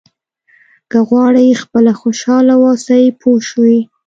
که غواړئ خپله خوشاله واوسئ پوه شوې!.